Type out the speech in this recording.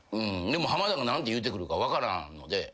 でも浜田が何て言うてくるか分からんので。